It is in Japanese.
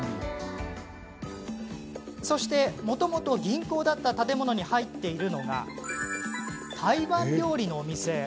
そして、もともと銀行だった建物に入っているのが台湾料理のお店。